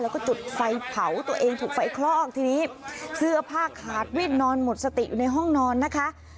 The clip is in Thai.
แล้วก็จุดไฟเผาตัวเองถูกไฟคลอกทีนี้เสื้อผ้าขาดวิ่นนอนหมดสติอยู่ในห้องนอนนะคะ